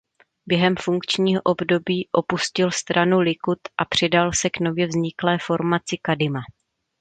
Během funkčního období opustil stranu Likud a přidal se k nově vzniklé formaci Kadima.